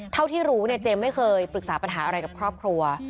เท่าที่รู้เนี่ยเจมส์ไม่เคยปรึกษาปัญหาอะไรกับครอบครัว